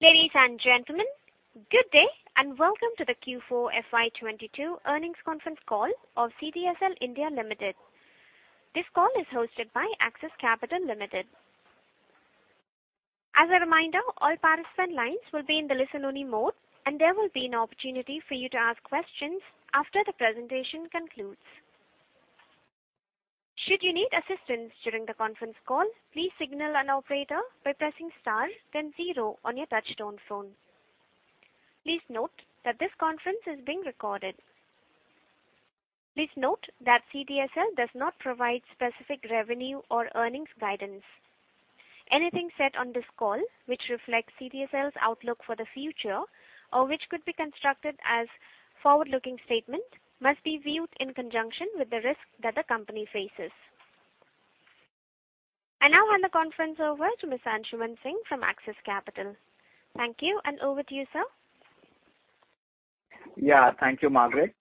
Ladies and gentlemen, good day, and welcome to the Q4 FY 2022 earnings conference call of Central Depository Services (India) Limited. This call is hosted by Axis Capital Limited. As a reminder, all participant lines will be in the listen-only mode, and there will be an opportunity for you to ask questions after the presentation concludes. Should you need assistance during the conference call, please signal an operator by pressing star then zero on your touchtone phone. Please note that this conference is being recorded. Please note that CDSL does not provide specific revenue or earnings guidance. Anything said on this call which reflects CDSL's outlook for the future or which could be construed as forward-looking statement must be viewed in conjunction with the risk that the company faces. I now hand the conference over to Mr. Anshuman Singh from Axis Capital. Thank you, and over to you, sir. Yeah. Thank you, Margaret.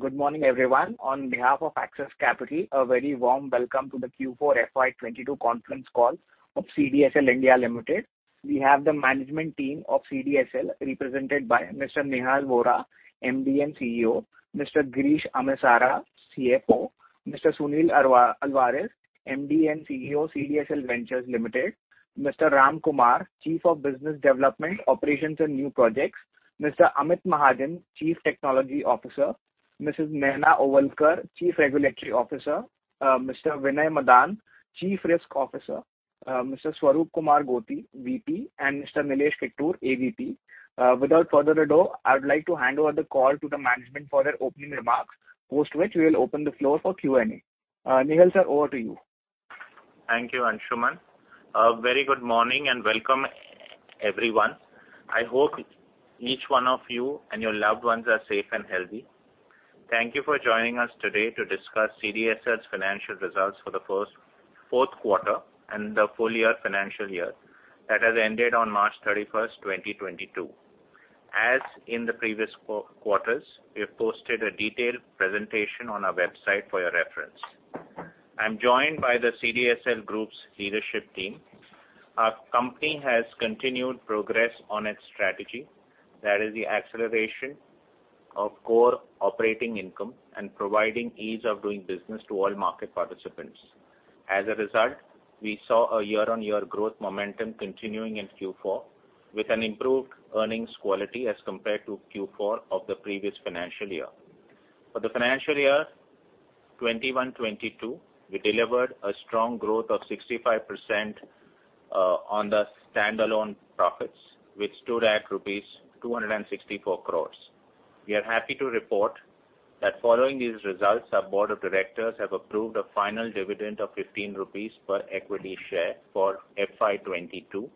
Good morning, everyone. On behalf of Axis Capital, a very warm welcome to the Q4 FY 2022 conference call of CDS India Limited. We have the management team of CDSL represented by Mr. Nehal Vora, MD and CEO. Mr. Girish Amesara, CFO. Mr. Sunil Alvares, MD and CEO, CDSL Ventures Limited. Mr. Ramkumar K, Chief of Business Development, Operations and New Projects. Mr. Amit Mahajan, Chief Technology Officer. Mrs. Nayana Ovalekar, Chief Regulatory Officer. Mr. Vinay Madan, Chief Risk Officer. Mr. Swaroop Kumar Gothi, VP, and Mr. Nilesh Kittur, AVP. Without further ado, I would like to hand over the call to the management for their opening remarks, post which we will open the floor for Q&A. Nehal, sir, over to you. Thank you, Anshuman. A very good morning and welcome everyone. I hope each one of you and your loved ones are safe and healthy. Thank you for joining us today to discuss CDSL's financial results for the fourth quarter and the full year that has ended on March 31st, 2022. As in the previous fourth quarters, we have posted a detailed presentation on our website for your reference. I'm joined by the CDSL group's leadership team. Our company has continued progress on its strategy. That is the acceleration of core operating income and providing ease of doing business to all market participants. As a result, we saw a year-on-year growth momentum continuing in Q4 with an improved earnings quality as compared to Q4 of the previous financial year. For the financial year 2021-2022, we delivered a strong growth of 65% on the standalone profits, which stood at rupees 264 crores. We are happy to report that following these results, our board of directors have approved a final dividend of 15 rupees per equity share for FY 2022,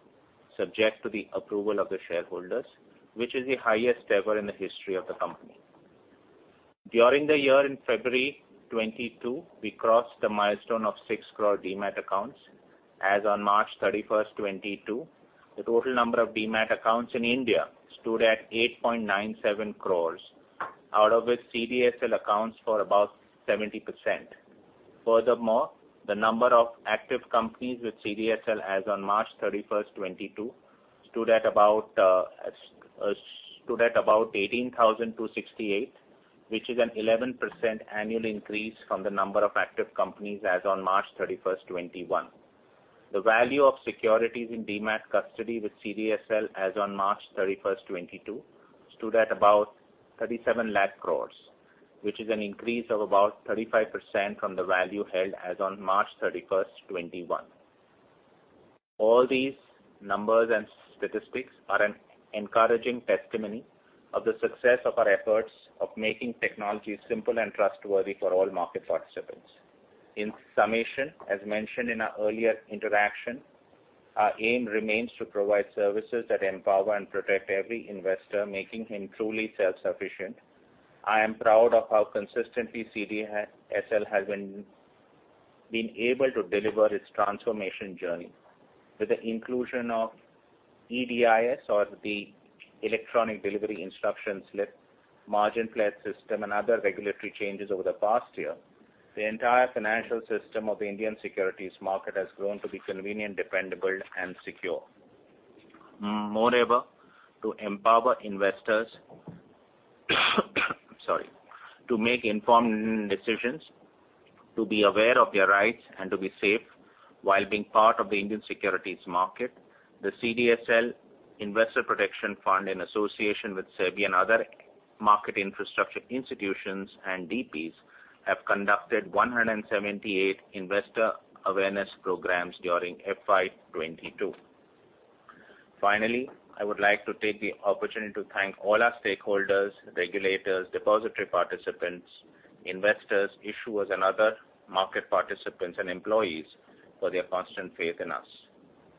subject to the approval of the shareholders, which is the highest ever in the history of the company. During the year in February 2022, we crossed the milestone of 6 crore demat accounts. As on March 31st, 2022, the total number of demat accounts in India stood at 8.97 crore. Out of which CDSL accounts for about 70%. Furthermore, the number of active companies with CDSL as on March 31st, 2022 stood at about 18,268, which is an 11% annual increase from the number of active companies as on March 31st, 2021. The value of securities in demat custody with CDSL as on March 31st, 2022 stood at about 37 lakh crores, which is an increase of about 35% from the value held as on March 31st, 2021. All these numbers and statistics are an encouraging testimony of the success of our efforts of making technology simple and trustworthy for all market participants. In summation, as mentioned in our earlier interaction, our aim remains to provide services that empower and protect every investor making him truly self-sufficient. I am proud of how consistently CDSL has been able to deliver its transformation journey. With the inclusion of EDIS or the Electronic Delivery Instruction Slip, margin pledge system, and other regulatory changes over the past year, the entire financial system of the Indian securities market has grown to be convenient, dependable, and secure. Moreover, to empower investors to make informed decisions, to be aware of their rights, and to be safe while being part of the Indian securities market, the CDSL Investor Protection Fund in association with SEBI and other market infrastructure institutions and DPs have conducted 178 investor awareness programs during FY 2022. Finally, I would like to take the opportunity to thank all our stakeholders, regulators, depository participants, investors, issuers, and other market participants and employees for their constant faith in us.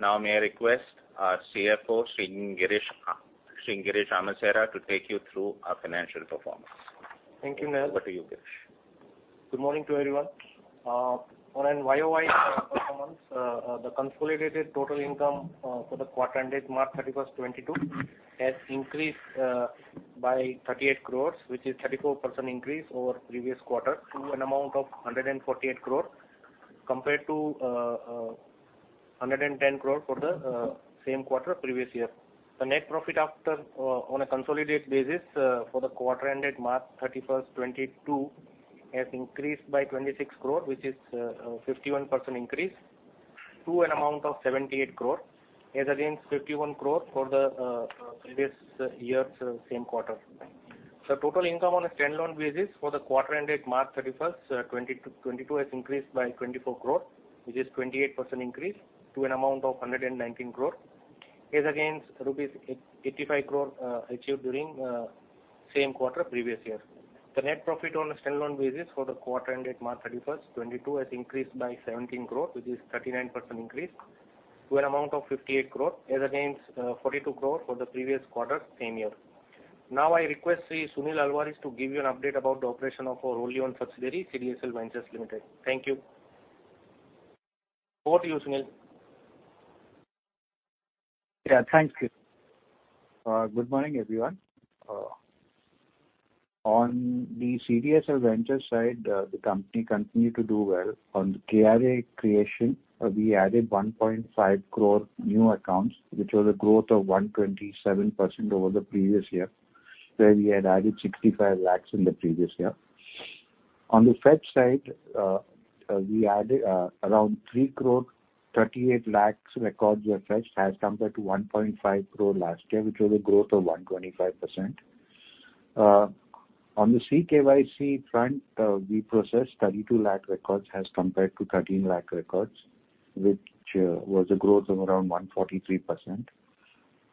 Now, may I request our CFO, Sri Girish Amesara, to take you through our financial performance. Thank you, Nehal. Over to you, Girish. Good morning to everyone. On a YoY performance, the consolidated total income for the quarter ended March 31st, 2022 has increased by 38 crores, which is 34% increase over previous quarter to an amount of 148 crore. Compared to 110 crore for the same quarter previous year. The net profit after on a consolidated basis for the quarter ended March 31st, 2022 has increased by 26 crore, which is a 51% increase to an amount of 78 crores as against 51 crore for the previous year's same quarter. The total income on a stand-alone basis for the quarter ended March 31st, 2022, has increased by 24 crores, which is 28% increase to an amount of 119 crores as against rupees 85 crore achieved during same quarter previous year. The net profit on a stand-alone basis for the quarter ended March 31st, 2022, has increased by 17 crore, which is 39% increase to an amount of 58 crore as against 42 crore for the same quarter previous year. Now I request Sri Sunil Alvares to give you an update about the operation of our wholly-owned subsidiary, CDSL Ventures Limited. Thank you. Over to you, Sunil. Yeah, thanks, Girish. Good morning, everyone. On the CDSL Ventures side, the company continued to do well. On the KRA creation, we added 1.5 crore new accounts, which was a growth of 127% over the previous year, where we had added 65 lakhs in the previous year. On the fetch side, we added around 3 crore 38 lakhs records were fetched as compared to 1.5 crore last year, which was a growth of 125%. On the CKYC front, we processed 32 lakh records as compared to 13 lakh records, which was a growth of around 143%.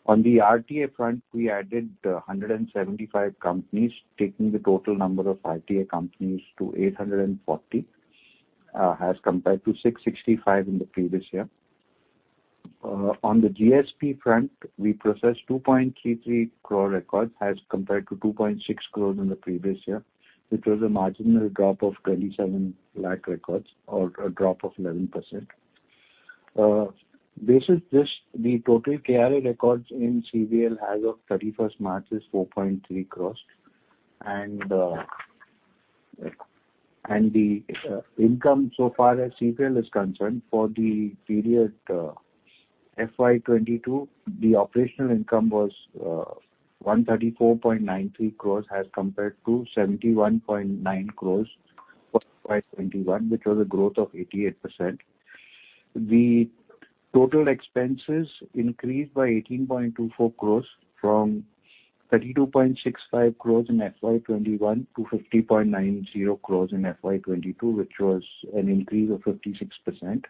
On the RTA front, we added 175 companies, taking the total number of RTA companies to 840 as compared to 665 in the previous year. On the GSP front, we processed 2.33 crore records as compared to 2.6 crores in the previous year, which was a marginal drop of 27 lakh records or a drop of 11%. This is just the total KRA records in CVL as of March 31st is 4.3 crores. The income so far as CVL is concerned for the period, FY 2022, the operational income was 134.93 crores as compared to 71.9 crores for FY 2021, which was a growth of 88%. The total expenses increased by 18.24 crores from 32.65 crores in FY21 to 50.90 crores in FY 2022, which was an increase of 56%.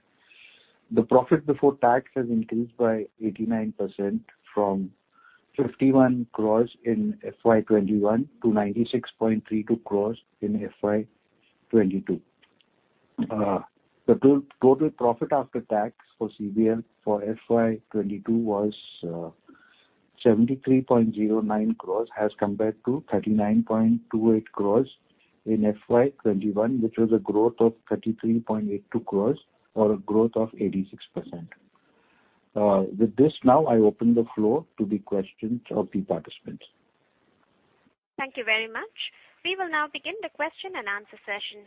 The profit before tax has increased by 89% from 51 crores in FY 2021 to 96.32 crores in FY 2022. The total profit after tax for CVL for FY 2022 was 73.09 crores as compared to 39.28 crores in FY 2021, which was a growth of 33.82 crores or a growth of 86%. With this now, I open the floor to the questions of the participants. Thank you very much. We will now begin the question and answer session.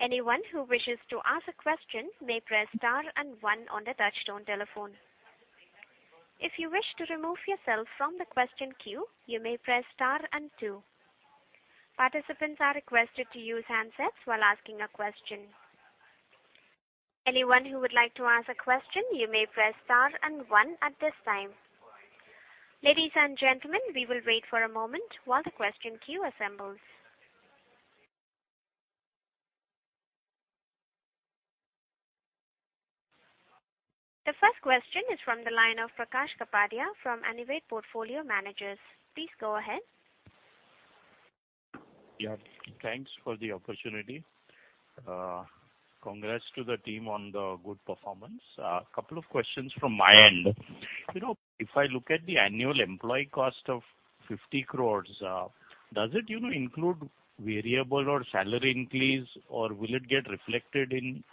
Anyone who wishes to ask a question may press star and one on their touchtone telephone. If you wish to remove yourself from the question queue, you may press star and two. Participants are requested to use handsets while asking a question. Anyone who would like to ask a question, you may press star and one at this time. Ladies and gentlemen, we will wait for a moment while the question queue assembles. The first question is from the line of Prakash Kapadia from Anived Portfolio Managers. Please go ahead. Yeah. Thanks for the opportunity. Congrats to the team on the good performance. Couple of questions from my end. You know, if I look at the annual employee cost of 50 crores, does it, you know, include variable or salary increase, or will it get reflected in,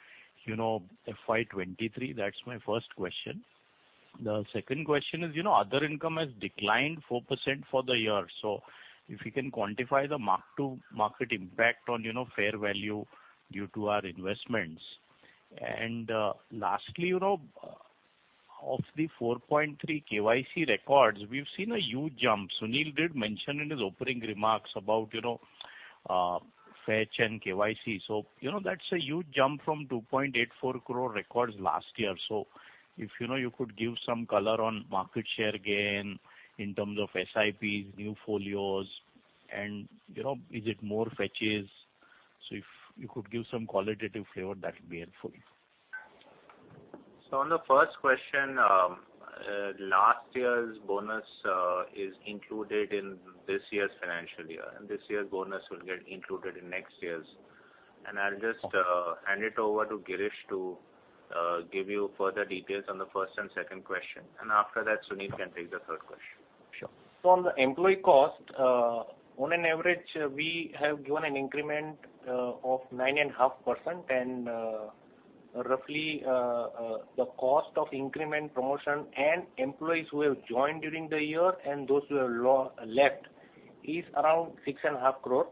you know, FY 2023? That's my first question. The second question is, you know, other income has declined 4% for the year, so if you can quantify the mark to market impact on, you know, fair value due to our investments. Lastly, you know, of the 4.3 KYC records, we've seen a huge jump. Sunil did mention in his opening remarks about, you know, fetch and KYC, so you know, that's a huge jump from 2.84 crore records last year. If you know, you could give some color on market share gain in terms of SIPs, new folios and, you know, is it more FIIs? If you could give some qualitative flavor, that would be helpful. On the first question, last year's bonus is included in this year's financial year, and this year's bonus will get included in next year's. I'll just hand it over to Girish to give you further details on the first and second question. After that, Sunil can take the third question. Sure. On the employee cost, on an average, we have given an increment of 9.5%. Roughly, the cost of increment promotion and employees who have joined during the year and those who have left is around 6.5 crore.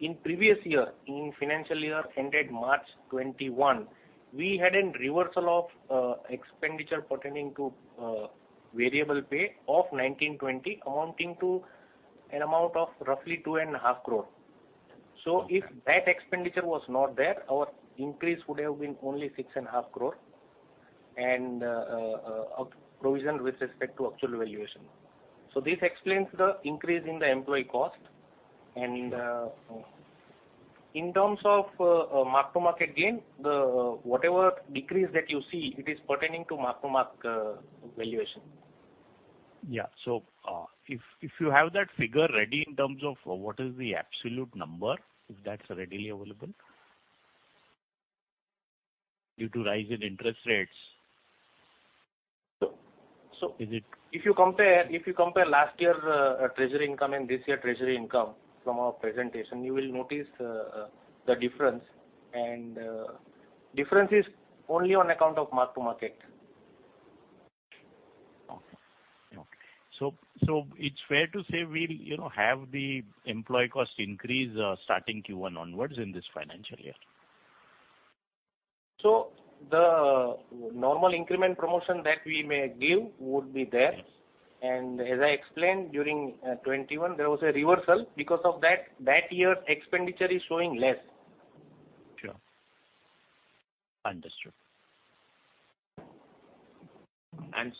In previous year, in financial year ended March 2021, we had a reversal of expenditure pertaining to variable pay of 2019-2020 amounting to an amount of roughly 2.5 crore. If that expenditure was not there, our increase would have been only 6.5 crore and of provision with respect to actual valuation. This explains the increase in the employee cost. In terms of mark-to-market gain, whatever decrease that you see, it is pertaining to mark-to-market valuation. If you have that figure ready in terms of what is the absolute number, if that's readily available due to rise in interest rates. So- Is it- If you compare last year treasury income and this year treasury income from our presentation, you will notice the difference, and the difference is only on account of mark-to-market. It's fair to say we'll, you know, have the employee cost increase starting Q1 onwards in this financial year. The normal increment promotion that we may give would be there. As I explained during 2021, there was a reversal. Because of that year's expenditure is showing less. Sure. Understood.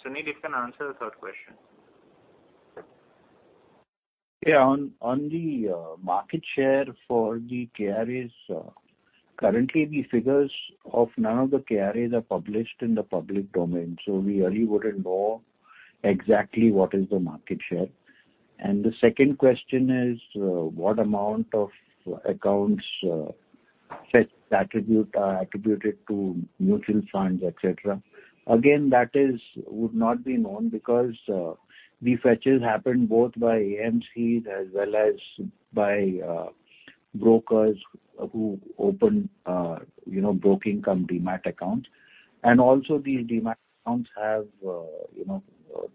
Sunil, if you can answer the third question. Yeah. On the market share for the KRAs, currently the figures of none of the KRAs are published in the public domain, so we really wouldn't know exactly what is the market share. The second question is, what amount of accounts attributed to mutual funds, et cetera. Again, that would not be known because the fetches happen both by AMCs as well as by brokers who open you know broking company demat accounts. Also these demat accounts have you know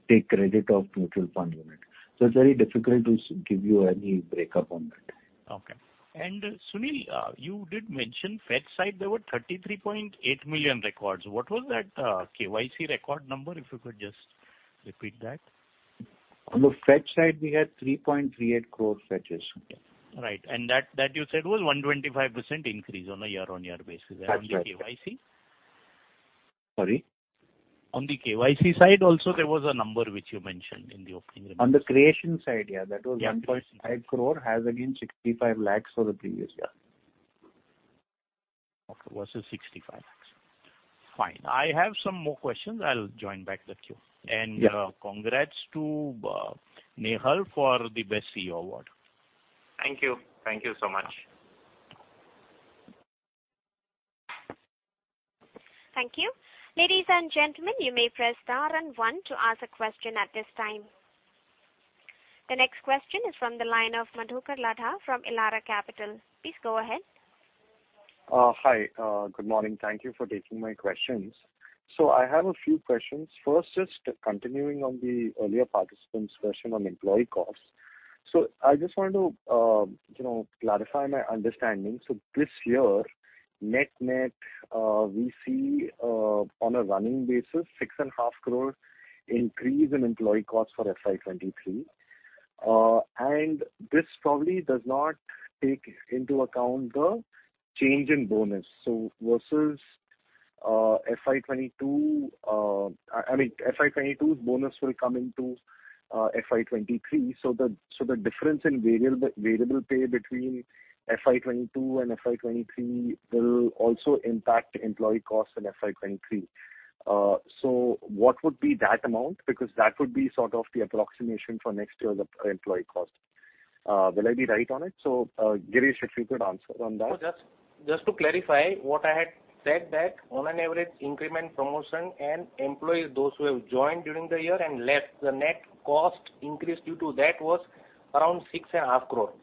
take credit of mutual fund unit. It's very difficult to give you any breakup on that. Okay. Sunil, you did mention CVL side there were 33.8 million records. What was that KYC record number, if you could just repeat that? On the fetch side we had 3.38 crore fetches. Okay. Right. That you said was 125% increase on a year-on-year basis. That's right. On the KYC? Sorry? On the KYC side also there was a number which you mentioned in the opening remarks. On the creation side, yeah. Yeah. That was 1.5 crore as against 65 lakhs for the previous year. Okay. Versus 65 lakh. Fine. I have some more questions. I'll join back the queue. Yeah. Congrats to Nehal for the best CEO award. Thank you. Thank you so much. Thank you. Ladies and gentlemen, you may press star and one to ask a question at this time. The next question is from the line of Madhukar Ladha from Elara Capital. Please go ahead. Hi. Good morning. Thank you for taking my questions. I have a few questions. First, just continuing on the earlier participant's question on employee costs. I just wanted to, you know, clarify my understanding. This year, net-net, we see, on a running basis 6.5 crore increase in employee costs for FY 2023. This probably does not take into account the change in bonus, so versus, FY 2022, I mean FY 2022's bonus will come into, FY 2023. The difference in variable pay between FY 2022 and FY 2023 will also impact employee costs in FY 2023. What would be that amount? Because that would be sort of the approximation for next year's employee cost. Will I be right on it? Girish, if you could answer on that. Just to clarify what I had said that on an average increment promotion and employees, those who have joined during the year and left, the net cost increase due to that was around 6.5 crore.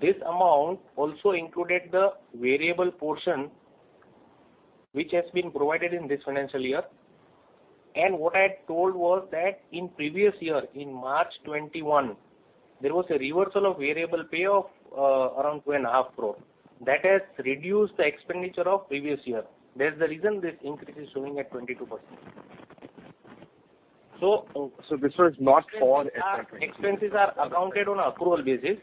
This amount also included the variable portion which has been provided in this financial year. What I had told was that in previous year, in March 2021, there was a reversal of variable pay of around 2.5 crore. That has reduced the expenditure of previous year. That's the reason this increase is showing at 22%. This was not for FY 2022. Expenses are accounted on accrual basis.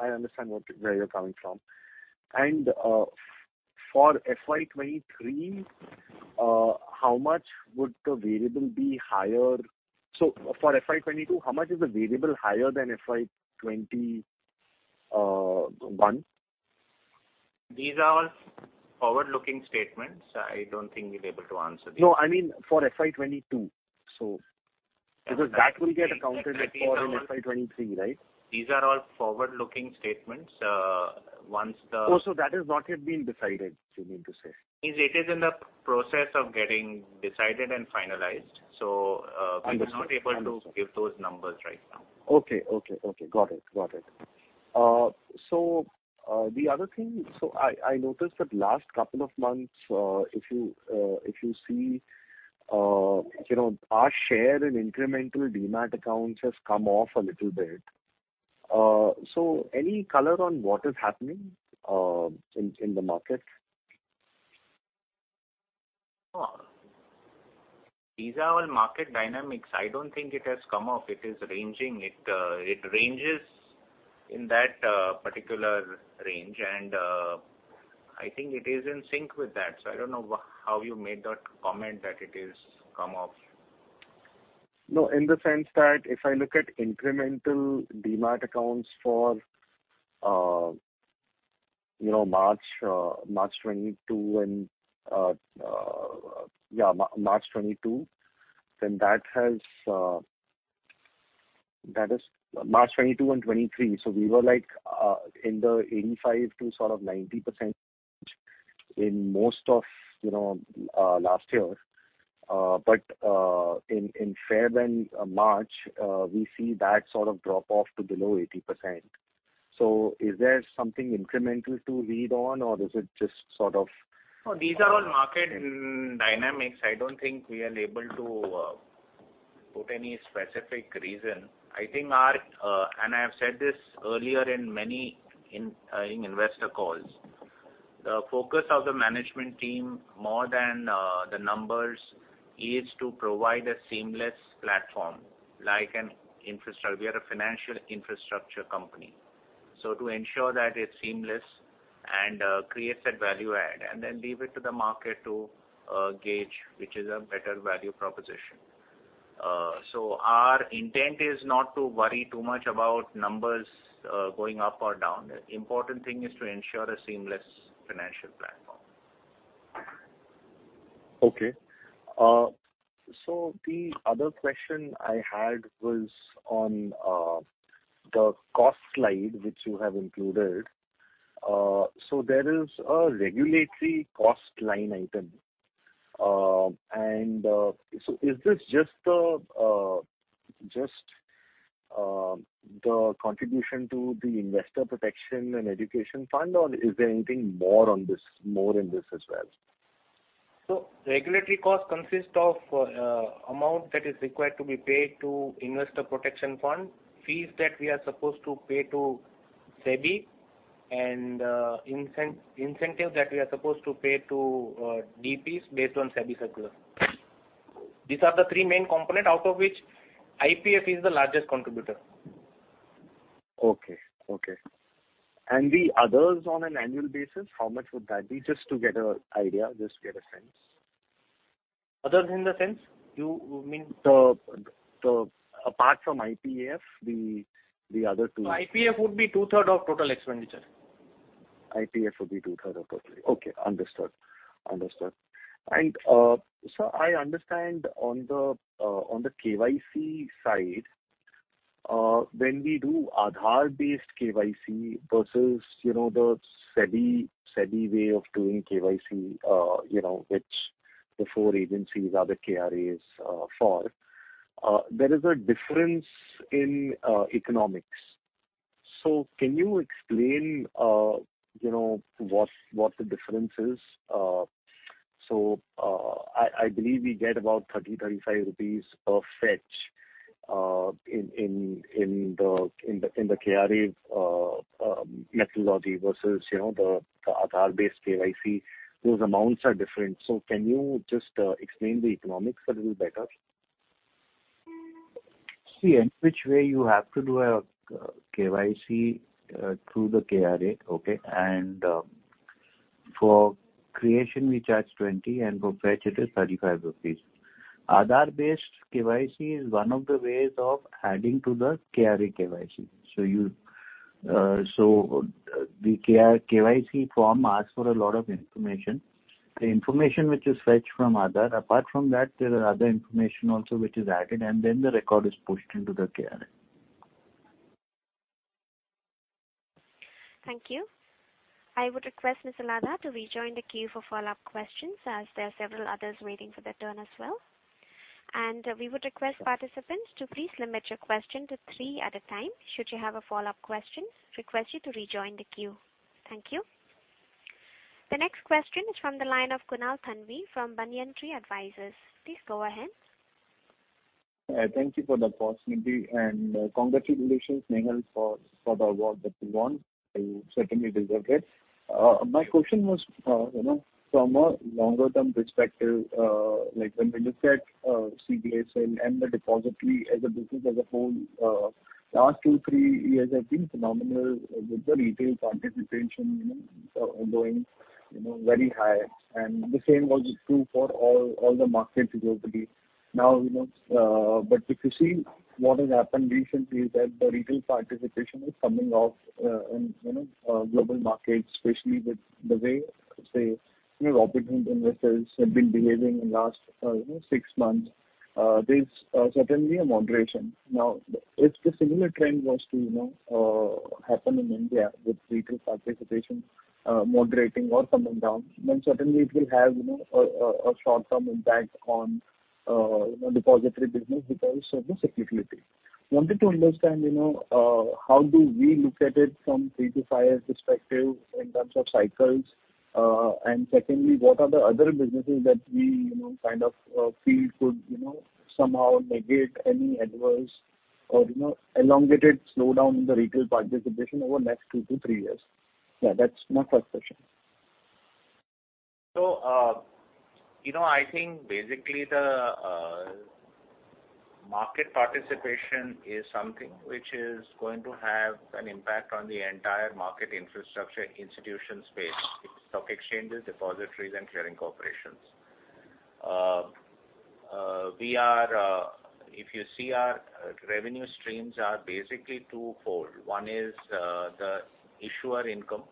I understand where you're coming from. For FY 2023, how much would the variable be higher? For FY 2022, how much is the variable higher than FY 2021? These are all forward-looking statements. I don't think we'll be able to answer these. No, I mean for FY 2022. Because that will get accounted for in FY 2023, right? These are all forward-looking statements. Oh, that has not yet been decided, you mean to say? It is in the process of getting decided and finalized, so. Understood. Understood. We're not able to give those numbers right now. Okay. Got it. The other thing, I noticed that last couple of months, if you see, you know, our share in incremental demat accounts has come off a little bit. Any color on what is happening in the market? No. These are all market dynamics. I don't think it has come off. It is ranging. It ranges in that particular range. I think it is in sync with that. I don't know how you made that comment that it is come off. No, in the sense that if I look at incremental demat accounts for, you know, March 2022 and 2023. That is March 2022 and 2023. We were like in the 85% to sort of 90% range in most of, you know, last year. In February and March, we see that sort of drop off to below 80%. Is there something incremental to read on or is it just sort of- No, these are all market dynamics. I don't think we are able to put any specific reason. I think. I have said this earlier in many investor calls. The focus of the management team more than the numbers is to provide a seamless platform. We are a financial infrastructure company. To ensure that it's seamless and creates that value add, and then leave it to the market to gauge which is a better value proposition. Our intent is not to worry too much about numbers going up or down. The important thing is to ensure a seamless financial platform. Okay. The other question I had was on the cost slide, which you have included. There is a regulatory cost line item. Is this just the contribution to the Investor Protection and Education Fund, or is there anything more in this as well? Regulatory cost consists of amount that is required to be paid to Investor Protection Fund, fees that we are supposed to pay to SEBI and incentives that we are supposed to pay to DPs based on SEBI circular. These are the three main component, out of which IPF is the largest contributor. Okay. The others on an annual basis, how much would that be? Just to get a idea, just to get a sense. Other than the NSE, you mean? Apart from IPF, the other two. IPF would be 2/3 of total expenditure. IPF would be 2/3 of total. Okay. Understood. I understand on the KYC side, when we do Aadhaar-based KYC versus, you know, the SEBI way of doing KYC, you know, which the four agencies or the KRAs, there is a difference in economics. So can you explain, you know, what the difference is? I believe we get about 30-35 rupees per fetch, in the KRA methodology versus, you know, the Aadhaar-based KYC. Those amounts are different. So can you just explain the economics a little better? See, in which way you have to do a KYC through the KRA, okay? For creation we charge 20 and for fetch it is 35 rupees. Aadhaar based KYC is one of the ways of adding to the KRA, KYC. You, the KYC form asks for a lot of information. The information which is fetched from Aadhaar. Apart from that, there are other information also which is added and then the record is pushed into the KRA. Thank you. I would request Mr. Latha to rejoin the queue for follow-up questions as there are several others waiting for their turn as well. We would request participants to please limit your question to three at a time. Should you have a follow-up question, request you to rejoin the queue. Thank you. The next question is from the line of Kunal Thanvi from Banyan Tree Advisors. Please go ahead. Thank you for the possibility and congratulations, Nehal, for the award that you won. You certainly deserve it. My question was, you know, from a longer term perspective, like when we look at CDSL and the depository as a business as a whole, last two, three years have been phenomenal with the retail participation, you know, going, you know, very high. The same was true for all the market depositories. Now, you know, but if you see what has happened recently is that the retail participation is coming off, you know, in global markets, especially with the way, say, you know, opportunity investors have been behaving in last, you know, six months. There's certainly a moderation. Now, if the similar trend was to, you know, happen in India with retail participation moderating or coming down, then certainly it will have, you know, a short-term impact on, you know, depository business because of the cyclicality. Wanted to understand, you know, how do we look at it from three-five perspective in terms of cycles. Secondly, what are the other businesses that we, you know, kind of, feel could, you know, somehow negate any adverse or, you know, elongated slowdown in the retail participation over the next two-three years? Yeah, that's my first question. You know, I think basically the market participation is something which is going to have an impact on the entire market infrastructure institutions space, stock exchanges, depositories and clearing corporations. We are, if you see our revenue streams are basically two-fold. One is the issuer income,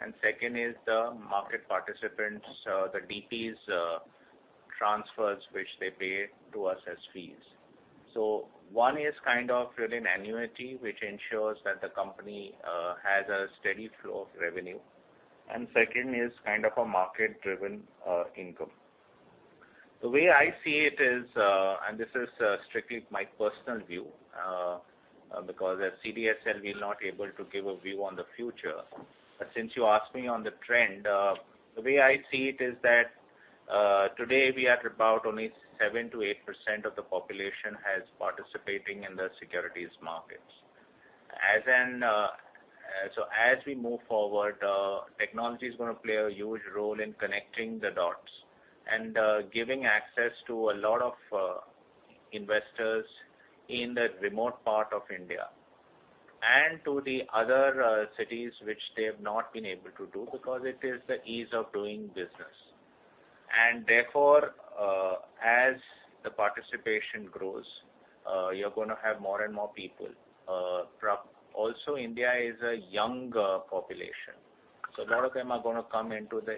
and second is the market participants, the DPs, transfers which they pay to us as fees. One is kind of within annuity, which ensures that the company has a steady flow of revenue. Second is kind of a market-driven income. The way I see it is, and this is strictly my personal view, because at CDSL we're not able to give a view on the future. Since you asked me on the trend, the way I see it is that, today we are at about only 7%-8% of the population has participating in the securities markets. As in, as we move forward, technology is gonna play a huge role in connecting the dots and, giving access to a lot of, investors in the remote part of India and to the other, cities which they have not been able to do because it is the ease of doing business. Therefore, as the participation grows, you're gonna have more and more people. Also India is a young, population, so a lot of them are gonna come into the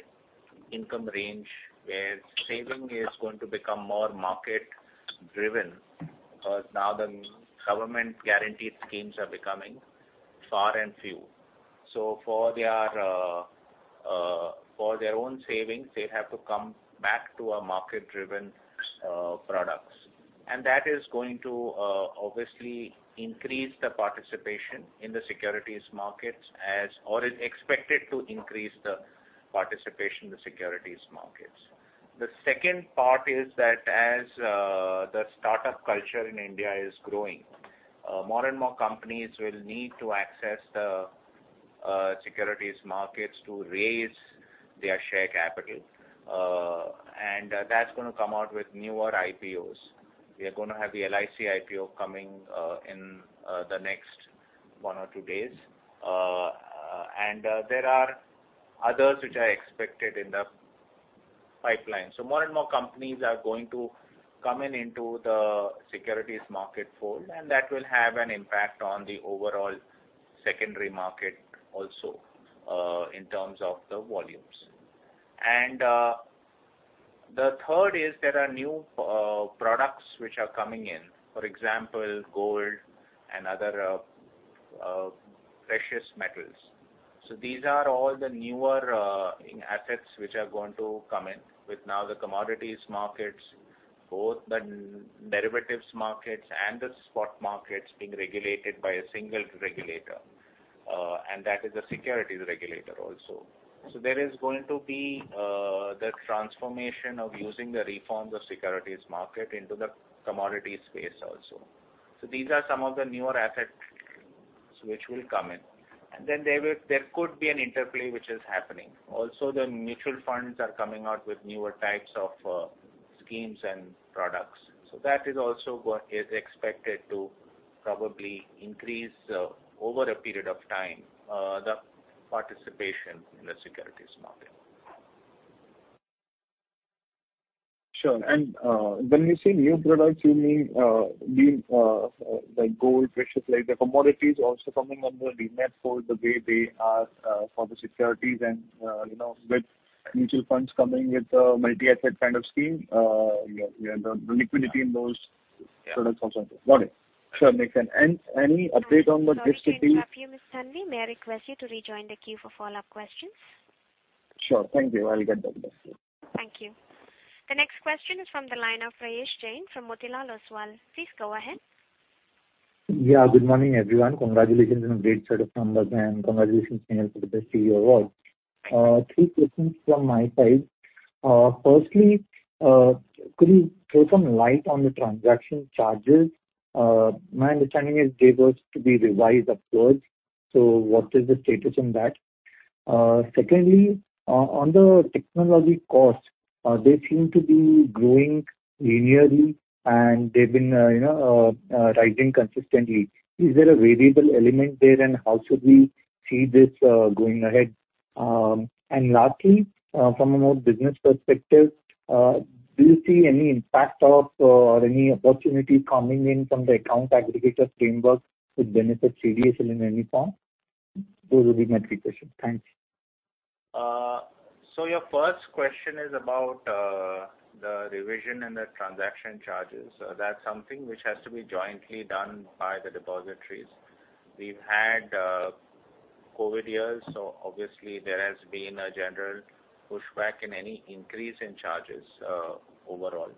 income range where saving is going to become more market-driven. Because now the government guaranteed schemes are becoming far and few. For their own savings, they have to come back to market-driven products. That is going to obviously increase the participation in the securities markets, as it is expected to increase the participation in the securities markets. The second part is that as the startup culture in India is growing, more and more companies will need to access the securities markets to raise their share capital. That's gonna come out with newer IPOs. We are gonna have the LIC IPO coming in the next one or two days. There are others which are expected in the pipeline. More and more companies are going to come into the securities market fold, and that will have an impact on the overall secondary market also in terms of the volumes. The third is there are new products which are coming in, for example, gold and other precious metals. These are all the newer assets which are going to come in with now the commodities markets, both the derivatives markets and the spot markets being regulated by a single regulator, and that is the securities regulator also. There is going to be the transformation of using the reforms of securities market into the commodities space also. These are some of the newer assets which will come in. There could be an interplay which is happening. Also the mutual funds are coming out with newer types of schemes and products. That is also expected to probably increase over a period of time the participation in the securities market. Sure. When you say new products, you mean the gold precious, like the commodities also coming under the net for the way they are for the securities and, you know, with mutual funds coming with a multi-asset kind of scheme. Yeah, the liquidity in those products also. Got it. Sure. Makes sense. Any update on the district- Sorry to interrupt you, Mr. Thanvi. May I request you to rejoin the queue for follow-up questions? Sure. Thank you. I'll get back to you. Thank you. The next question is from the line of Prayesh Jain from Motilal Oswal. Please go ahead. Yeah. Good morning, everyone. Congratulations on a great set of numbers and congratulations, Nehal Vora, for the best CEO award. Three questions from my side. Firstly, could you throw some light on the transaction charges? My understanding is they were to be revised upwards. What is the status on that? Secondly, on the technology costs, they seem to be growing linearly, and they've been, you know, rising consistently. Is there a variable element there and how should we see this going ahead? Lastly, from a more business perspective, do you see any impact of or any opportunity coming in from the account aggregator framework could benefit CDSL in any form? Those will be my three questions. Thanks. Your first question is about the revision and the transaction charges. That's something which has to be jointly done by the depositories. We've had COVID years, so obviously there has been a general pushback on any increase in charges overall.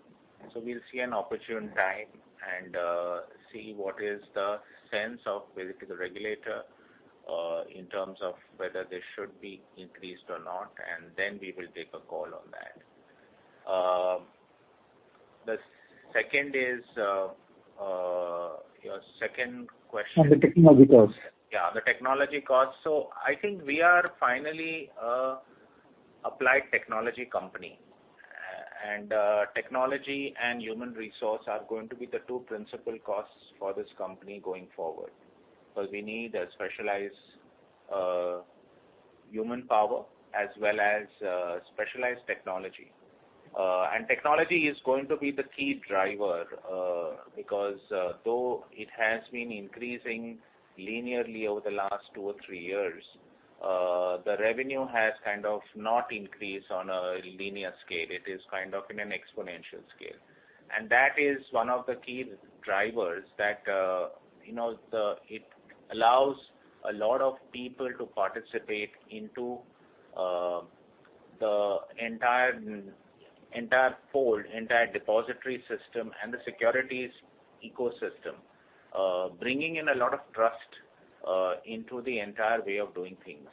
We'll see an opportune time and see what is the sense of what the regulator in terms of whether they should be increased or not, and then we will take a call on that. The second is your second question- On the Technology cost. Yeah, the Technology cost. I think we are finally an applied technology company. Technology and human resource are going to be the two principal costs for this company going forward. Because we need a specialized human power as well as specialized technology. Technology is going to be the key driver, because though it has been increasing linearly over the last two or three years, the revenue has kind of not increased on a linear scale. It is kind of in an exponential scale. That is one of the key drivers that, you know, it allows a lot of people to participate into the entire fold, entire depository system and the securities ecosystem, bringing in a lot of trust into the entire way of doing things.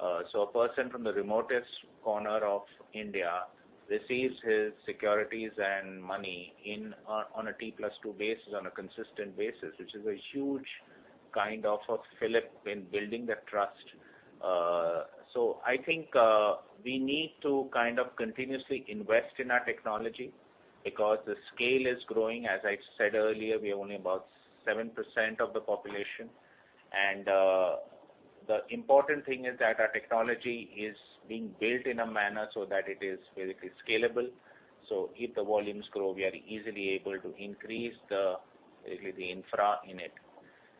A person from the remotest corner of India receives his securities and money on a T+2 basis on a consistent basis, which is a huge kind of a fillip in building that trust. I think we need to kind of continuously invest in our technology because the scale is growing. As I said earlier, we are only about 7% of the population. The important thing is that our technology is being built in a manner so that it is very scalable. If the volumes grow, we are easily able to increase the infrastructure in it.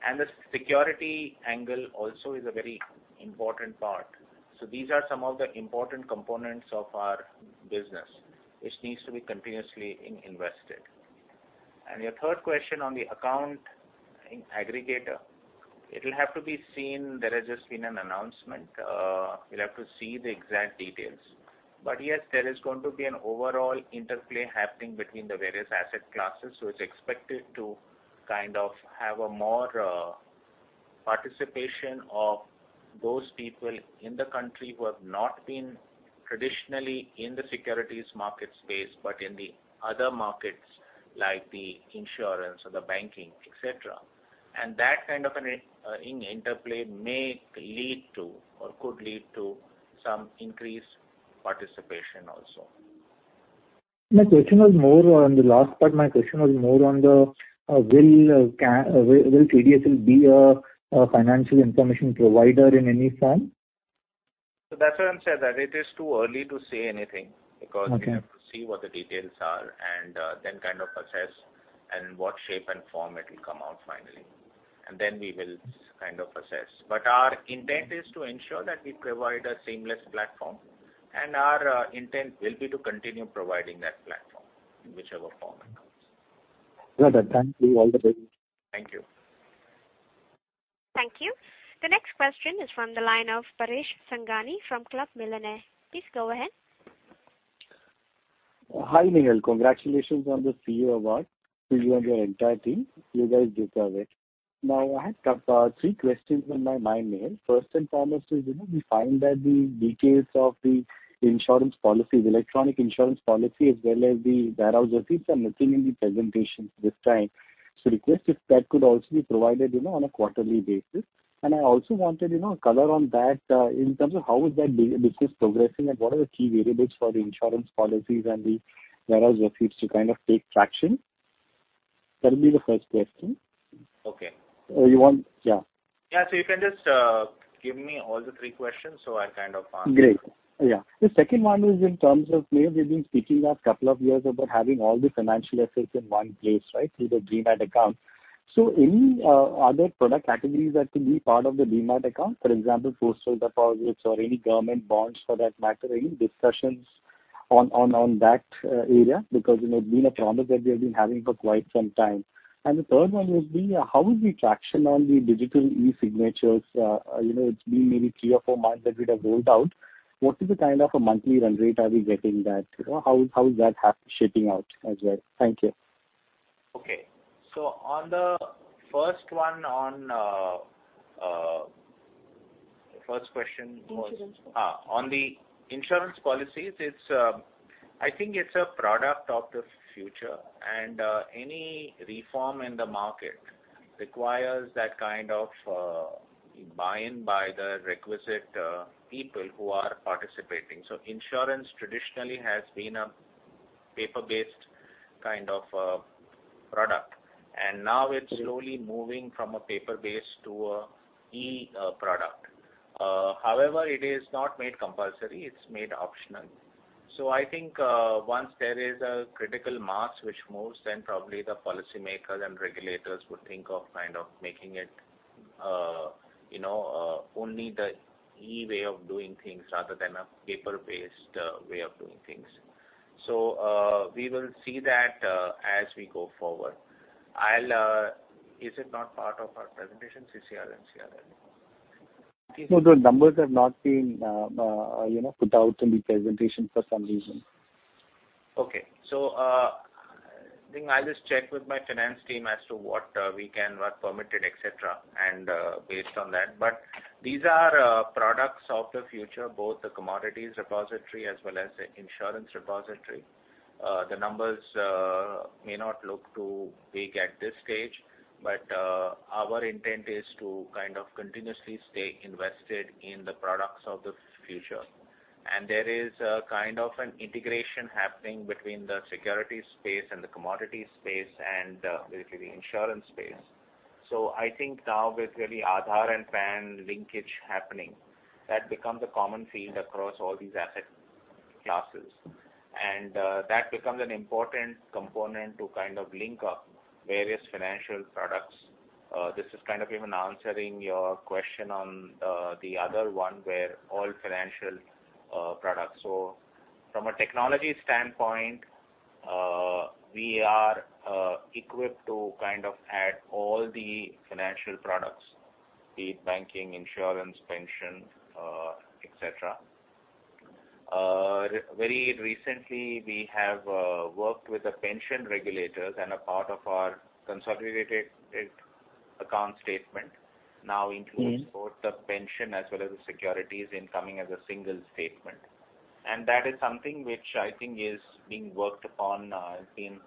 The security angle also is a very important part. These are some of the important components of our business which needs to be continuously invested. Your third question on the account aggregator, it'll have to be seen. There has just been an announcement. We'll have to see the exact details. Yes, there is going to be an overall interplay happening between the various asset classes. It's expected to kind of have a more participation of those people in the country who have not been traditionally in the securities market space, but in the other markets like the insurance or the banking, et cetera. That kind of an interplay may lead to or could lead to some increased participation also. My question was more on the last part. Will CDSL be a financial information provider in any form? That's why I'm saying that it is too early to say anything because. Okay. We have to see what the details are and then kind of assess in what shape and form it will come out finally. Then we will kind of assess. Our intent is to ensure that we provide a seamless platform, and our intent will be to continue providing that platform in whichever form it comes. Well, thank you. All the best. Thank you. Thank you. The next question is from the line of Paresh Sangani from Club Millionaire. Please go ahead. Hi, Nehal. Congratulations on the CEO award to you and your entire team. You guys deserve it. Now, I have three questions on my mind, Nehal. First and foremost is, you know, we find that the details of the insurance policies, electronic insurance policy, as well as the warehouse receipts are missing in the presentations this time. So request if that could also be provided, you know, on a quarterly basis. I also wanted, you know, color on that, in terms of how is that business progressing and what are the key variables for the insurance policies and the warehouse receipts to kind of take traction. That'll be the first question. Okay. Yeah. Yeah. You can just give me all the three questions, so I'll kind of answer. Great. Yeah. The second one is in terms of, Nehal, you've been speaking last couple of years about having all the financial assets in one place, right? Through the demat account. So any other product categories that can be part of the demat account? For example, postal deposits or any government bonds for that matter. Any discussions on that area? Because, you know, it's been a promise that we have been having for quite some time. The third one would be, how is the traction on the digital e-signatures? You know, it's been maybe three or four months that we'd have rolled out. What is the kind of a monthly run rate are we getting that? You know, how is that shaping out as well? Thank you. Okay. On the first one on, first question was. Insurance policy. On the insurance policies, it's, I think it's a product of the future. Any reform in the market requires that kind of buy-in by the requisite people who are participating. Insurance traditionally has been a paper-based kind of a product, and now it's slowly moving from a paper-based to an e-product. However, it is not made compulsory, it's made optional. I think once there is a critical mass which moves, then probably the policymakers and regulators would think of kind of making it, you know, only the e way of doing things rather than a paper-based way of doing things. We will see that as we go forward. I'll. Is it not part of our presentation, CCRL and CIRL? No, the numbers have not been, you know, put out in the presentation for some reason. Okay. I think I'll just check with my finance team as to what we can, what permitted, et cetera, and based on that. These are products of the future, both the commodities repository as well as the insurance repository. The numbers may not look too big at this stage, but our intent is to kind of continuously stay invested in the products of the future. There is a kind of an integration happening between the securities space and the commodities space and basically the insurance space. I think now with really Aadhaar and PAN linkage happening, that becomes a common field across all these asset classes. That becomes an important component to kind of link up various financial products. This is kind of even answering your question on the other one where all financial products. From a technology standpoint, we are equipped to kind of add all the financial products, be it banking, insurance, pension, et cetera. Very recently, we have worked with the pension regulators, and a part of our consolidated account statement now includes. Mm-hmm Both the pension as well as the securities and income as a single statement. That is something which I think is being worked upon. I think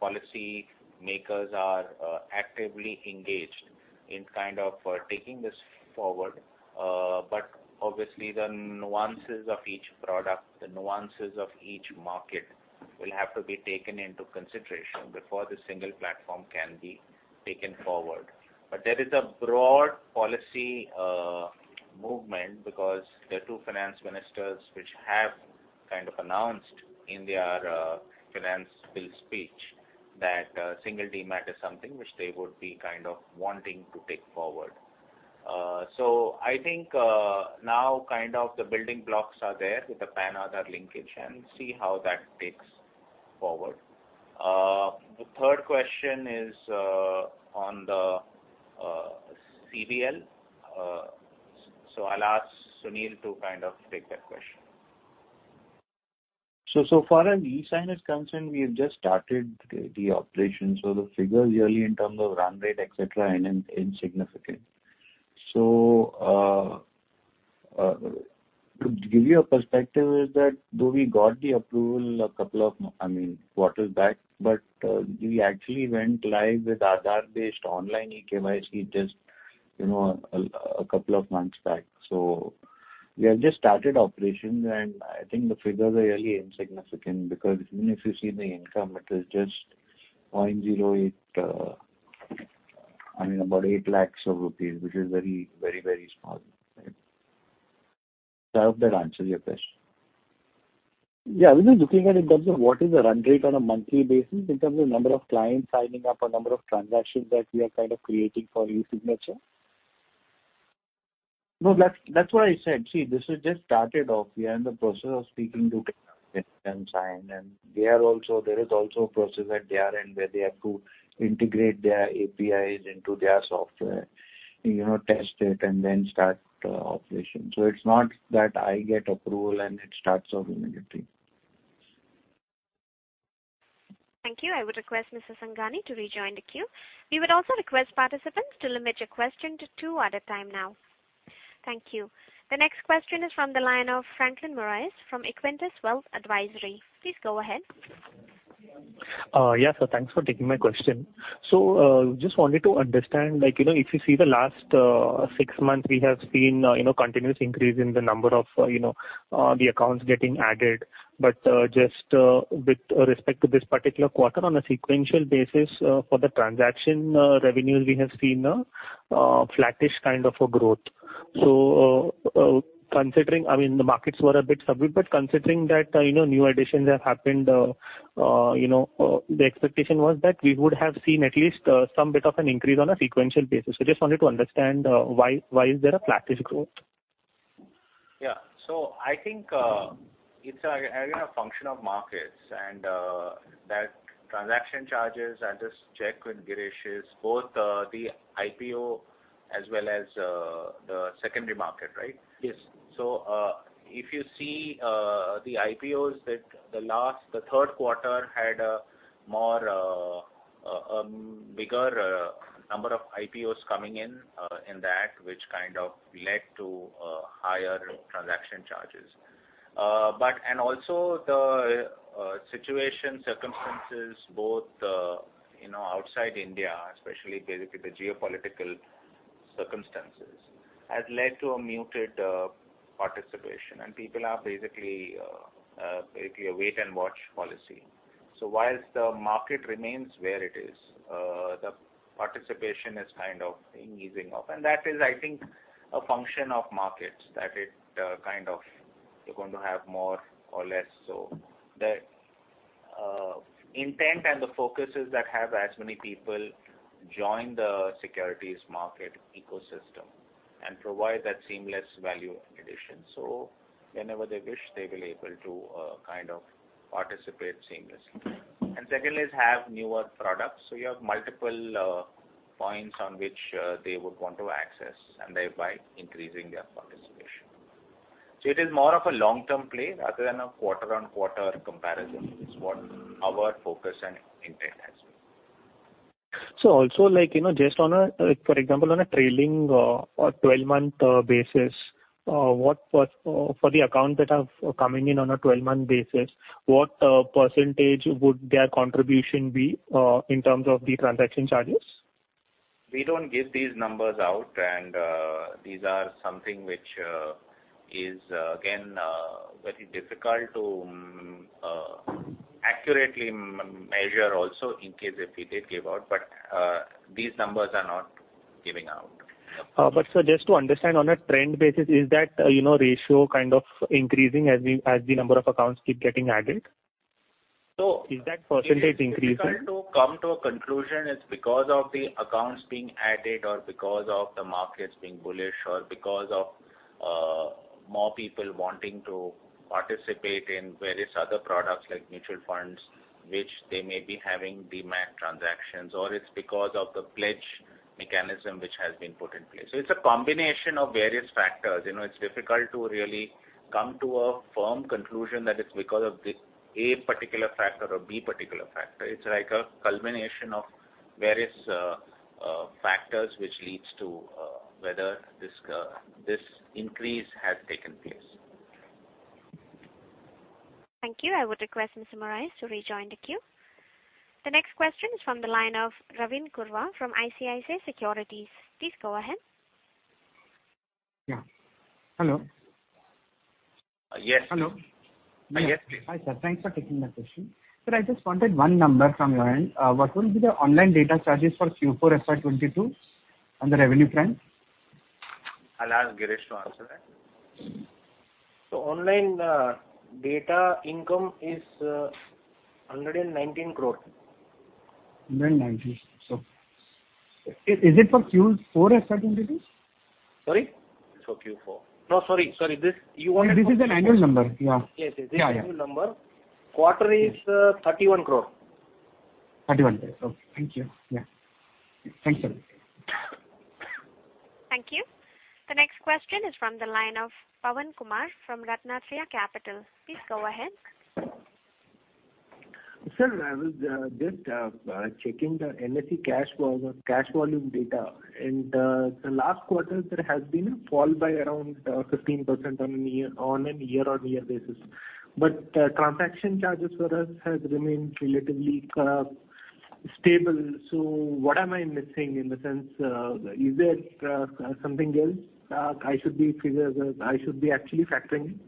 policymakers are actively engaged in kind of taking this forward. Obviously the nuances of each product, the nuances of each market will have to be taken into consideration before the single platform can be taken forward. There is a broad policy movement because the two finance ministers which have kind of announced in their finance bill speech that single demat is something which they would be kind of wanting to take forward. I think now kind of the building blocks are there with the PAN-Aadhaar linkage, and see how that takes forward. The third question is on the CBL. I'll ask Sunil to kind of take that question. So far as eSign is concerned, we have just started the operation, so the figures really in terms of run rate, et cetera, are insignificant. To give you a perspective is that though we got the approval a couple of I mean, quarters back, but we actually went live with Aadhaar-based online eKYC just, you know, a couple of months back. We have just started operations, and I think the figures are really insignificant because even if you see the income, it is just 0.08 crore, I mean, about 8 lakh rupees, which is very small. Right? I hope that answers your question. Yeah. We were looking at in terms of what is the run rate on a monthly basis in terms of number of clients signing up or number of transactions that we are kind of creating for eSign. No. That, that's what I said. See, this has just started off. We are in the process of speaking to and signing, and they are also, there is also a process that they are in where they have to integrate their APIs into their software, you know, test it, and then start operations. It's not that I get approval, and it starts off immediately. Thank you. I would request Mr. Sangani to rejoin the queue. We would also request participants to limit your question to two at a time now. Thank you. The next question is from the line of Franklin Moraes from Equentis Wealth Advisory. Please go ahead. Yeah. Thanks for taking my question. Just wanted to understand, like, you know, if you see the last six months, we have seen, you know, continuous increase in the number of, you know, the accounts getting added. Just, with respect to this particular quarter on a sequential basis, for the transaction revenues, we have seen a flattish kind of a growth. Considering, I mean, the markets were a bit subdued, but considering that, you know, new additions have happened, you know, the expectation was that we would have seen at least some bit of an increase on a sequential basis. Just wanted to understand, why is there a flattish growth? Yeah. I think it's again a function of markets and that transaction charges. I'll just check with Girish. It's both the IPO as well as the secondary market, right? Yes. If you see the IPOs that the third quarter had a bigger number of IPOs coming in in that which kind of led to higher transaction charges. And also the situation, circumstances both, you know, outside India, especially basically the geopolitical circumstances, has led to a muted participation. People are basically a wait and watch policy. Whilst the market remains where it is, the participation is kind of, you know, easing off. That is, I think, a function of markets, that it kind of you're going to have more or less so. The intent and the focus is that have as many people join the securities market ecosystem and provide that seamless value addition. Whenever they wish, they will be able to kind of participate seamlessly. Secondly, to have newer products. You have multiple points on which they would want to access and thereby increasing their participation. It is more of a long-term play rather than a quarter-on-quarter comparison is what our focus and intent has been. Like, you know, just on a, like for example, on a trailing or 12-month basis, what was for the accounts that have coming in on a 12-month basis, what percentage would their contribution be in terms of the transaction charges? We don't give these numbers out, and these are something which is again very difficult to accurately measure also in case if we did give out. These numbers are not giving out. Sir, just to understand on a trend basis, is that, you know, ratio kind of increasing as the number of accounts keep getting added? So- Is that percentage increasing? It is difficult to come to a conclusion. It's because of the accounts being added or because of the markets being bullish or because of more people wanting to participate in various other products like mutual funds, which they may be having demat transactions, or it's because of the pledge mechanism which has been put in place. It's a combination of various factors. You know, it's difficult to really come to a firm conclusion that it's because of the a particular factor or the particular factor. It's like a culmination of various factors which leads to whether this increase has taken place. Thank you. I would request Mr. Moraes to rejoin the queue. The next question is from the line of Ravin Kurwa from ICICI Securities. Please go ahead. Yeah. Hello? Yes. Hello. Yes, please. Hi, sir. Thanks for taking my question. Sir, I just wanted one number from your end. What will be the online data charges for Q4 FY 2022 on the revenue front? I'll ask Girish to answer that. Online data income is INR 119 crore. 190 crore. Is it for Q4 FY 2022? Sorry? It's for Q4. No, sorry. You wanted for- This is an annual number. Yeah. Yes, yes. Yeah, yeah. This is annual number. Quarter is 31 crore. 31 crore. Okay. Thank you. Yeah. Thanks, sir. Thank you. The next question is from the line of Pavan Kumar from RatnaTraya Capital. Please go ahead. Sir, I was just checking the NSE cash volume data. The last quarter there has been a fall by around 15% on a year-on-year basis. Transaction charges for us has remained relatively stable. What am I missing in the sense, is there something else I should be actually factoring in?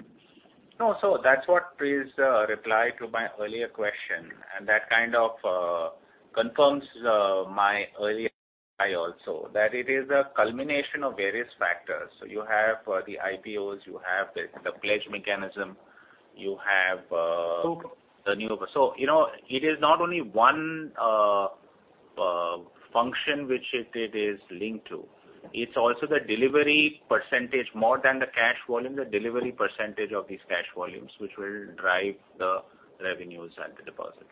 No. That's what Prayesh replied to my earlier question. That kind of confirms my earlier reply also that it is a culmination of various factors. You have the IPOs, you have the pledge mechanism, you have Okay. You know, it is not only one function which it is linked to. It's also the delivery percentage more than the cash volume, the delivery percentage of these cash volumes which will drive the revenues at the depository.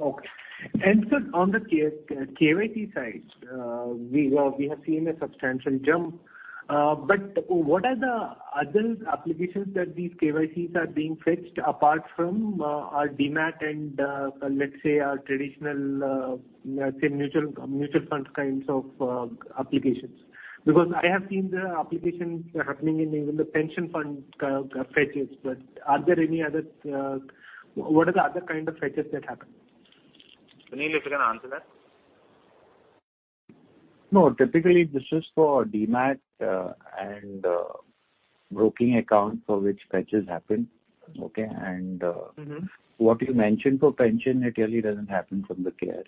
Okay. Sir, on the KYC side, we have seen a substantial jump. What are the other applications that these KYCs are being fetched apart from our demat and let's say our traditional mutual fund kinds of applications? Because I have seen the applications happening in even the pension fund fetches. Are there any other? What are the other kind of fetches that happen? Sunil, if you can answer that. No. Typically, this is for demat and broking accounts for which fetches happen. Okay? Mm-hmm. What you mentioned for pension, it really doesn't happen from the KRA.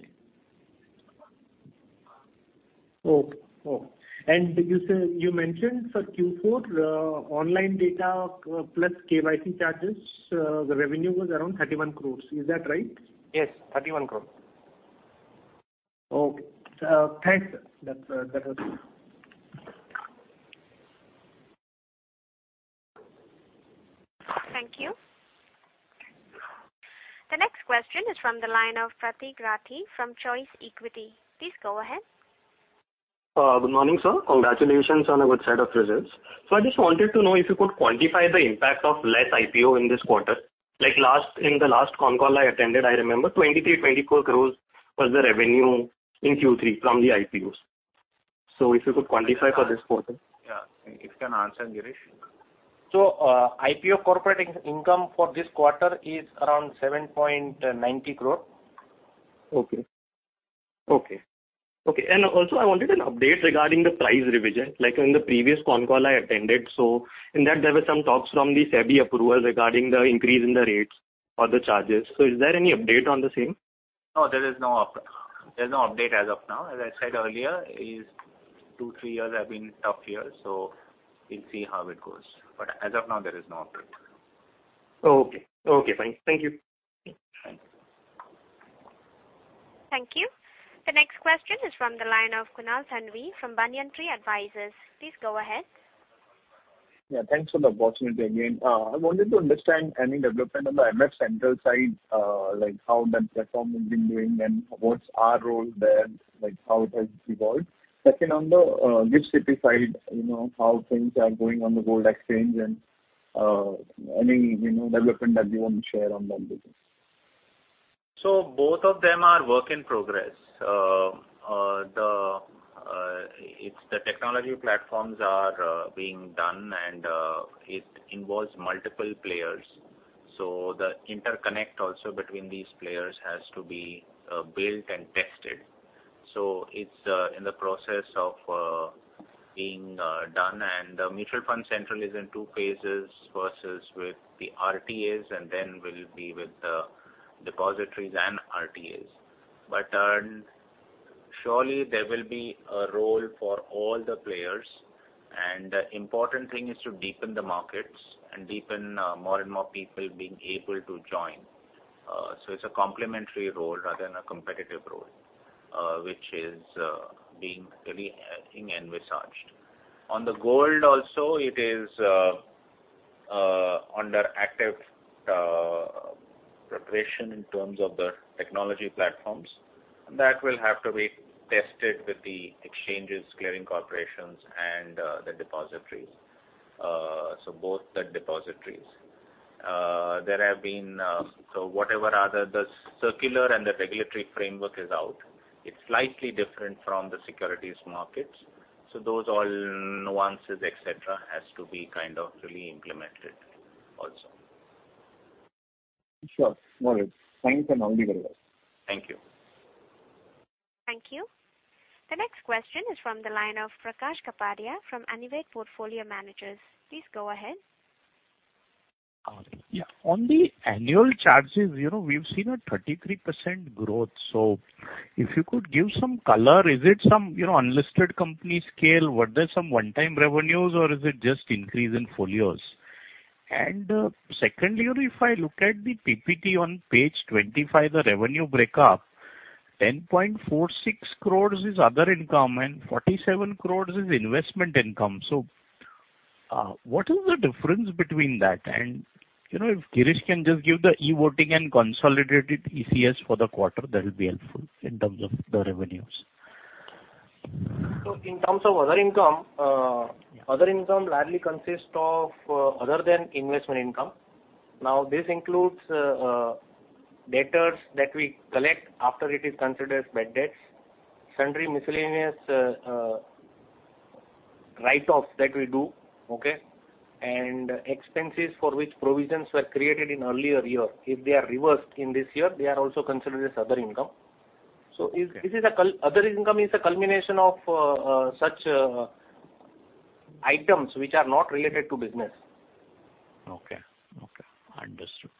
Did you say you mentioned for Q4, online data plus KYC charges, the revenue was around 31 crore? Is that right? Yes. 31 crore. Okay. Thanks, sir. That helps. Thank you. The next question is from the line of Pratik Rathi from Choice Equity. Please go ahead. Good morning, sir. Congratulations on a good set of results. I just wanted to know if you could quantify the impact of less IPO in this quarter. Like last, in the last con call I attended, I remember 23 crore-24 crore was the revenue in Q3 from the IPOs. If you could quantify for this quarter. Yeah. If you can answer, Girish. IPO corporate income for this quarter is around 7.90 crore. Okay. Also I wanted an update regarding the price revision. Like in the previous con call I attended, so in that there were some talks from the SEBI approval regarding the increase in the rates or the charges. Is there any update on the same? No, there is no update as of now. As I said earlier, it's two, three years have been tough years, so we'll see how it goes. As of now, there is no upgrade. Okay. Okay, fine. Thank you. Thank you. Thank you. The next question is from the line of Kunal Thanvi from Banyan Tree Advisors. Please go ahead. Yeah, thanks for the opportunity again. I wanted to understand any development on the MFCentral side, like how that platform has been doing and what's our role there, like how it has evolved. Second, on the GIFT City side, you know, how things are going on the gold exchange and any, you know, development that you want to share on that business. Both of them are work in progress. It's the technology platforms are being done and it involves multiple players. The interconnect also between these players has to be built and tested. It's in the process of being done. MFCentral is in two phases first with the RTAs and then will be with the depositories and RTAs. Surely there will be a role for all the players, and important thing is to deepen the markets and deepen more and more people being able to join. It's a complementary role rather than a competitive role which is being really, I think, envisaged. On the gold also it is under active preparation in terms of the technology platforms. That will have to be tested with the exchanges, clearing corporations and the depositories. Both the depositories. Whatever the circular and the regulatory framework is out. It's slightly different from the securities markets. Those all nuances, et cetera, has to be kind of really implemented also. Sure. All right. Thanks, and all the very best. Thank you. Thank you. The next question is from the line of Prakash Kapadia from Anived Portfolio Managers. Please go ahead. Yeah. On the annual charges, you know, we've seen a 33% growth. If you could give some color, is it some, you know, unlisted company scale? Were there some one-time revenues or is it just increase in folios? Secondly, if I look at the PPT on page 25, the revenue break up, 10.46 crore is other income and 47 crore is investment income. What is the difference between that? You know, if Girish can just give the e-voting and consolidated ECAS for the quarter, that would be helpful in terms of the revenues. In terms of other income, Yeah. Other income largely consists of other than investment income. Now, this includes debtors that we collect after it is considered as bad debts, sundry miscellaneous write-offs that we do. Okay. Expenses for which provisions were created in earlier year. If they are reversed in this year, they are also considered as other income. Okay. Other income is a culmination of such items which are not related to business. Okay. Understood.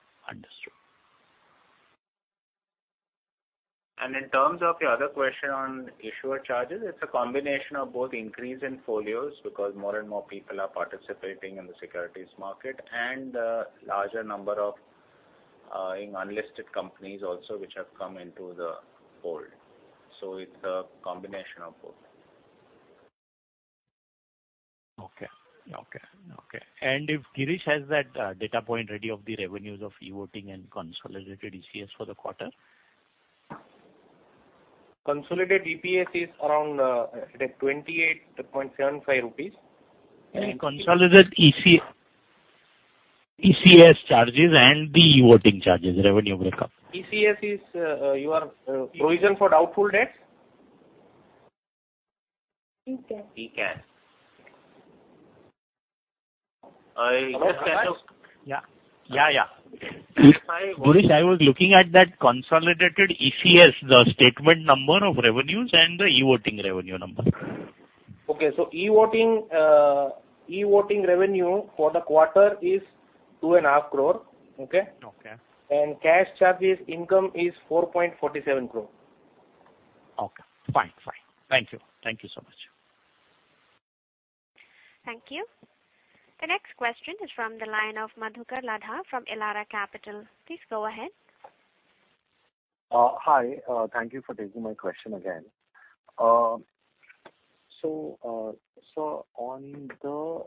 In terms of your other question on issuer charges, it's a combination of both increase in folios because more and more people are participating in the securities market and the larger number of unlisted companies also which have come into the fold. It's a combination of both. Okay. If Girish has that data point ready of the revenues of e-voting and consolidated ECAS for the quarter. Consolidated EPS is around at 28.75 rupees. Consolidated eCAS charges and the e-voting charges revenue break up. ECAS is your provision for doubtful debt? ECAS. ECAS. It stands for- Yeah. If I- Girish, I was looking at that consolidated ECAS, the statement number of revenues and the e-voting revenue number. Okay. E-voting revenue for the quarter is 2.5 Crore. Okay? Okay. Cash charges income is 4.47 crore. Okay. Fine. Thank you so much. Thank you. The next question is from the line of Madhukar Ladha from Elara Capital. Please go ahead. Hi. Thank you for taking my question again. I saw on the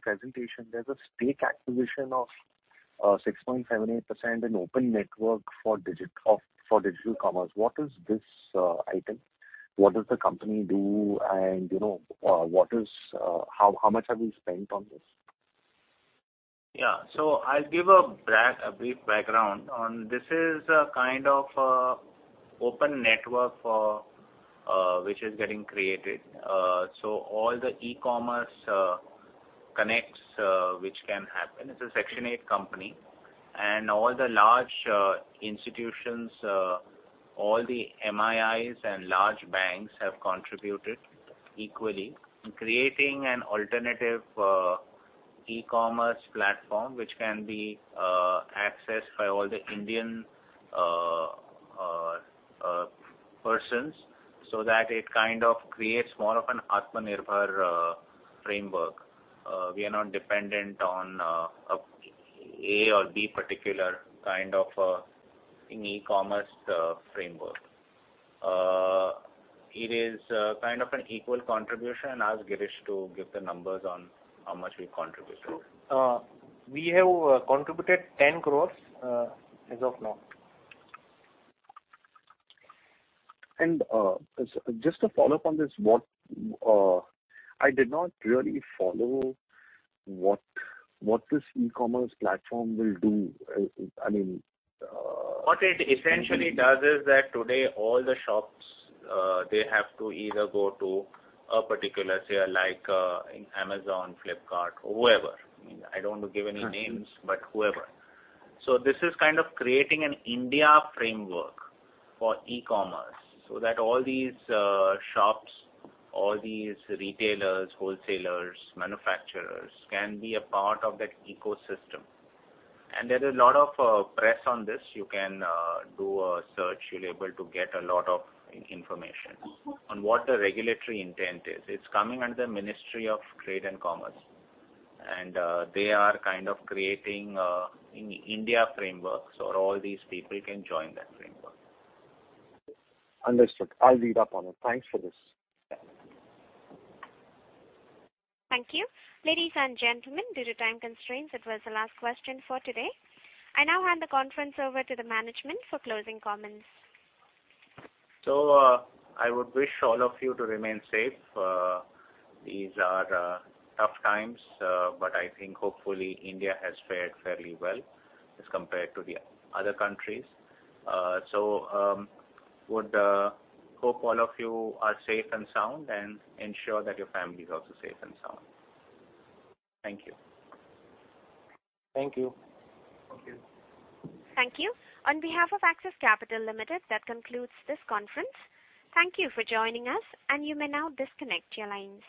presentation there's a stake acquisition of 6.78% in Open Network for Digital Commerce. What is this item? What does the company do? You know, how much have you spent on this? I'll give a brief background on this. It is a kind of an open network which is getting created. All the e-commerce connections which can happen. It's a Section 8 company. All the large institutions, all the MIIs and large banks have contributed equally in creating an alternative e-commerce platform, which can be accessed by all the Indian persons so that it kind of creates more of an Atmanirbhar framework. We are not dependent on A or B particular kind of an e-commerce framework. It is kind of an equal contribution. I'll ask Girish to give the numbers on how much we contributed. We have contributed 10 crores as of now. Just a follow-up on this. I did not really follow what this e-commerce platform will do. I mean What it essentially does is that today all the shops, they have to either go to a particular, say like, Amazon, Flipkart or whoever. I mean, I don't want to give any names, but whoever. So this is kind of creating an Indian framework for e-commerce so that all these, shops, all these retailers, wholesalers, manufacturers can be a part of that ecosystem. There is a lot of press on this. You can do a search. You'll be able to get a lot of information on what the regulatory intent is. It's coming under the Ministry of Commerce and Industry, and they are kind of creating an Indian framework so all these people can join that framework. Understood. I'll read up on it. Thanks for this. Yeah. Thank you. Ladies and gentlemen, due to time constraints, that was the last question for today. I now hand the conference over to the management for closing comments. I would wish all of you to remain safe. These are tough times, but I think hopefully India has fared fairly well as compared to the other countries. Hope all of you are safe and sound and ensure that your family is also safe and sound. Thank you. Thank you. Thank you. Thank you. On behalf of Axis Capital Limited, that concludes this conference. Thank you for joining us, and you may now disconnect your lines.